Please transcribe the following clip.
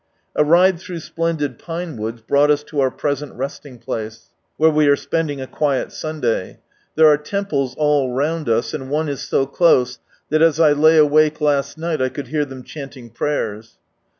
A ride through splendid pine woods brought us to our present resting place. 46 From Sunrise Lana where we are spending a quiet Sunday. There are temples all round us, and one is so close, that as I lay awake last niglit, I could hear them chanting prayers.